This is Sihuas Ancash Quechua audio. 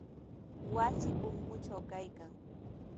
Wasi punkutraw kaykan.